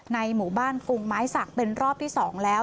ในหมู่บ้านกรุงไม้สักเป็นรอบที่๒แล้ว